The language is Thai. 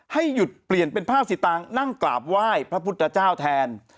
ให้หยุดเปลี่ยนเป็นภาพสิตางนั่งกราบไหว้พระพุทธเจ้าแทน